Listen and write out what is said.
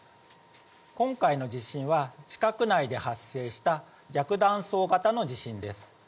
今回の地震は、地殻内で発生した逆断層型の地震です。